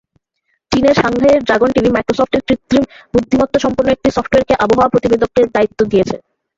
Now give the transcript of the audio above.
চীনের সাংহাইয়ের dragon TV মাইক্রোসফটের কৃত্রিম বুদ্ধিমত্তাসম্পন্ন একটি সফটওয়্যারকে আবহাওয়া প্রতিবেদকে দায়িত্ব দিয়েছে।